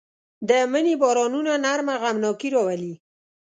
د مني بارانونه نرمه غمناکي راولي